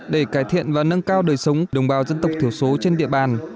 để cải thiện và nâng cao đời sống đồng bào dân tộc thiểu số trên địa bàn